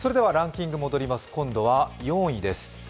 今度は、４位です。